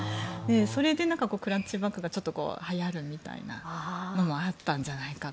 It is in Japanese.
それでクラッチバッグがちょっとはやるみたいのもあったんじゃないかと。